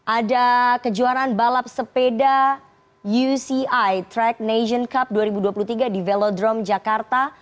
ada kejuaraan balap sepeda uci track nation cup dua ribu dua puluh tiga di velodrome jakarta